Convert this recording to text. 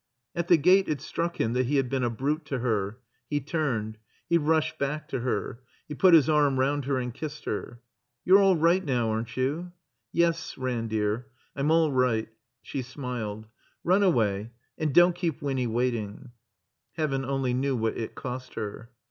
At the gate it struck him that he had been a brute to her. He turned. He rushed back to her. He put his arm round her and kissed her. "You're all right now, aren't you?" "Yes, Ran, dear, I'm all right." She smiled. "Run away and don't keep Winny waitSng." ! (Heaven only knew what it cost her.)